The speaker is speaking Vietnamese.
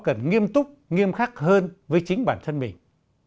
cần nghiêm túc nghiêm khắc hơn với chính bản thân mình